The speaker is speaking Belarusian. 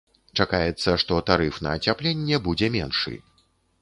Чакаецца, што тарыф на ацяпленне будзе меншы.